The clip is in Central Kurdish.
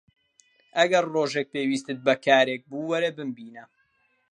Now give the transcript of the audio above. ئەگەر ڕۆژێک پێویستت بە کارێک بوو، وەرە بمبینە.